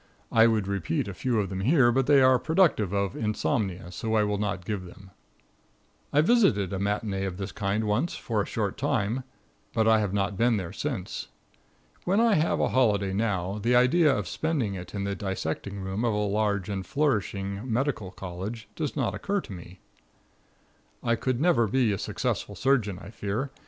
I would repeat a few of them here, but they are productive of insomnia, so I will not give them. I visited a matinee of this kind once for a short time, but I have not been there since. When I have a holiday now, the idea of spending it in the dissecting room of a large and flourishing medical college does not occur to me. I never could be a successful surgeon, I fear.